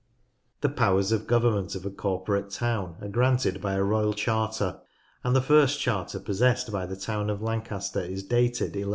The powers of government of a corporate town are granted by a Royal Charter, and the first charter possessed by the town of Lancaster is dated 1193.